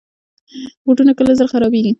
بوټونه کله زر خرابیږي.